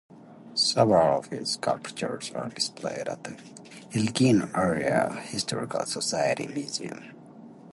Several of his sculptures are displayed at the Elgin Area Historical Society Museum.